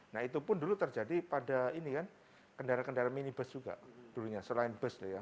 nah itu pun dulu terjadi pada ini kan kendaraan kendaraan minibus juga dulunya selain bus ya